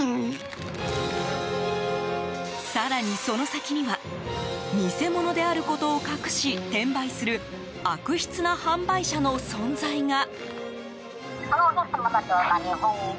更に、その先には偽物であることを隠し、転売する悪質な販売者の存在が。